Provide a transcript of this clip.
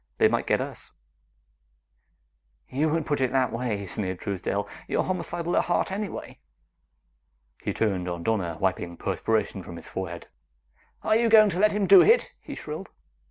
"They might get us!" "You would put it that way," sneered Truesdale; "you're homicidal at heart anyway!" He turned on Donna, wiping perspiration from his forehead. "Are you going to let him do it?" he shrilled.